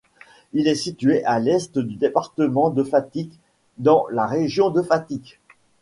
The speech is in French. Il est situé à l'est du département de Fatick, dans la région de Fatick.